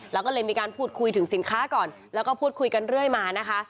แล้วก็เลยมีการพูดคุยถึงสินค้าก่อนแล้วก็พูดคุยกันเรื่อยมานะคะ